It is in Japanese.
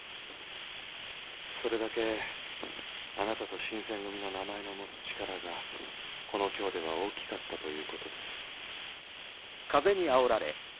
それだけあなたと新選組の名前の持つ力がこの京では大きかったという事です。